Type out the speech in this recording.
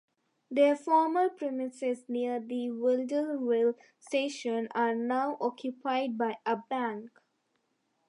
Their former premises, near the Wilderswil Station, are now occupied by a bank.